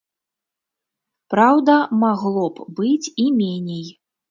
Праўда, магло б быць і меней.